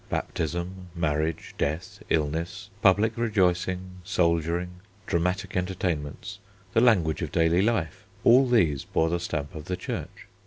Baptism, marriage, death, illness, public rejoicing, soldiering, dramatic entertainments, the language of daily life all these bore the stamp of the Church.